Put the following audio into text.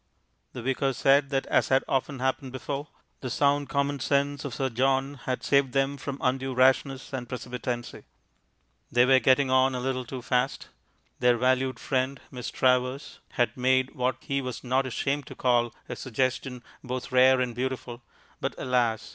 The Vicar said that as had often happened before, the sound common sense of Sir John had saved them from undue rashness and precipitancy. They were getting on a little too fast. Their valued friend Miss Travers had made what he was not ashamed to call a suggestion both rare and beautiful, but alas!